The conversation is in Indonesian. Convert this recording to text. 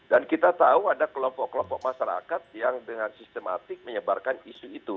dan kita tahu ada kelompok kelompok masyarakat yang dengan sistematik menyebarkan isu itu